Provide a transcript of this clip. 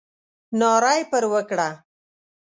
ناره یې پر وکړه.